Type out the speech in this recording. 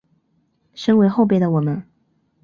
身为后辈的我们